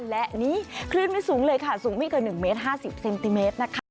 และนี่คลื่นไม่สูงเลยค่ะสูงไม่เกิน๑เมตร๕๐เซนติเมตรนะคะ